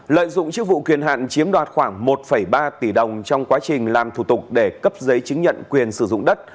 lợi dụng chức vụ quyền hạn chiếm đoạt khoảng một ba tỷ đồng trong quá trình làm thủ tục để cấp giấy chứng nhận quyền sử dụng đất